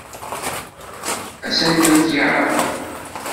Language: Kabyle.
Ad sen-tent-yeɛṛeḍ?